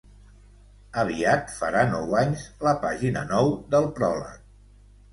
Aviat farà nou anys La pàgina nou del pròleg.